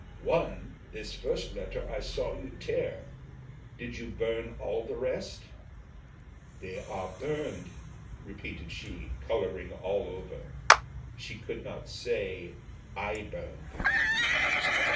one, this first letter I saw you tear; did you burn all the rest?" "They are burned," repeated she, colouring all over. She could not say "I burned them."